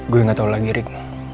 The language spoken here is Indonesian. gue gak tau lagi rick